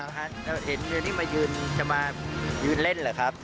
เห็นวีดีโอนี้มาหยืนจะมาหยืนเล่นหรือครับ